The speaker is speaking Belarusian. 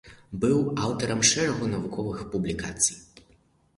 Быў аўтарам шэрагу навуковых публікацый.